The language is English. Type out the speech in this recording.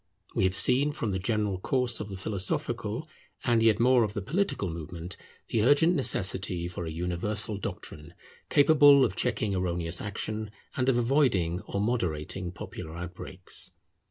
We have seen from the general course of the philosophical, and yet more of the political, movement, the urgent necessity for a universal doctrine capable of checking erroneous action, and of avoiding or moderating popular outbreaks.